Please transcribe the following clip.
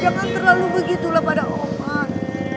jangan terlalu begitulah pada oman